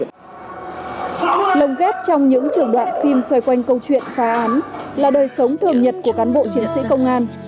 lồng ghép trong những trường đoạn phim xoay quanh câu chuyện phá án là đời sống thường nhật của cán bộ chiến sĩ công an